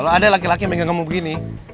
kalau ada laki laki yang kamu begini